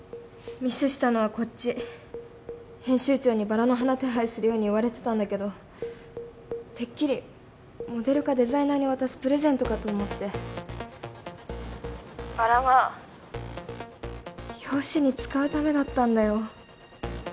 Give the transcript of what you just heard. ミスしたのはこっち編集長にバラの花手配するように言われてたんだけどてっきりモデルかデザイナーに渡すプレゼントかと思って☎バラは表紙に使うためだったんだよ